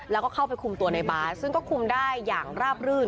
แล้วก็เข้าไปคุมตัวในบาสซึ่งก็คุมได้อย่างราบรื่น